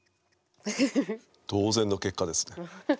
当然の結果ですね。